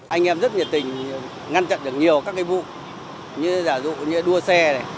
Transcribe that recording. anh em rất nhiệt tình ngăn chặn được nhiều các vụ như đua xe